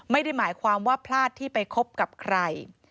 ไม่ได้หมายความว่าพลาดที่ไปคบกับใคร